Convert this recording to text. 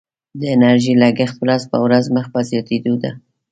د انرژي لګښت ورځ په ورځ مخ په زیاتیدو دی.